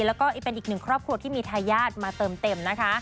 แล้วก็เป็นอีกหนึ่งครอบครัวที่มีทายาทมาเติมเต็มนะคะ